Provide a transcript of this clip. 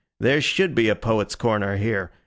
There should be a Poets' Corner here.